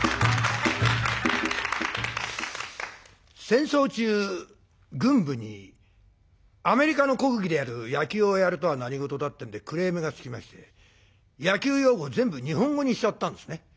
戦争中軍部にアメリカの国技である野球をやるとは何事だってんでクレームがつきまして野球用語全部日本語にしちゃったんですね。